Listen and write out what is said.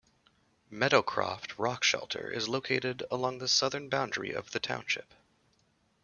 Meadowcroft Rockshelter is located along the southern boundary of the township.